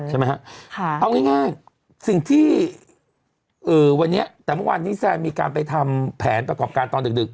ใช่ไหมฮะเอาง่ายสิ่งที่วันนี้แต่เมื่อวานนี้แซนมีการไปทำแผนประกอบการตอนดึก